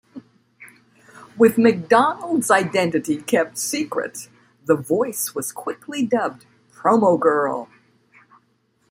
With MacDonald's identity kept secret, the voice was quickly dubbed Promo Girl.